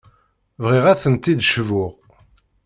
Bɣiɣ ad tent-id-cbuɣ.